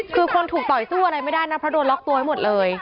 คือคนถูกต่อยสู้อะไรไม่ได้นะเพราะโดนล็อกตัวไว้หมดเลย